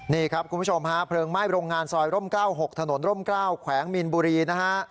นี่ครับคุณผู้ชมฮะเพลิงไหม้โรงงานซอยร่ม๙๖ถนนร่ม๙แขวงมีนบุรีนะฮะ